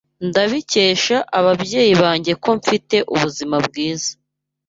Ndabikesha ababyeyi banjye ko mfite ubuzima bwiza.